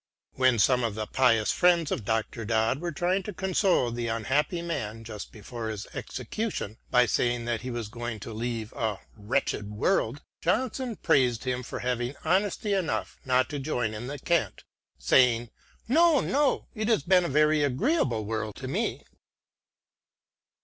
When some of the pious friends of Dr. Dodd were trying to console the unhappy man just before his execution by saying that he was going to leave a " wretched world," Johnson praised him for having honesty enough not to join in the cant, saying, " No, no, it has been a very agreeable world to me."